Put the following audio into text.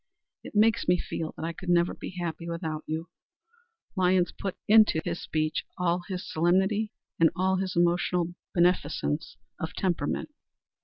It makes me feel that I could never be happy without you." Lyons put into this speech all his solemnity and all his emotional beneficence of temperament.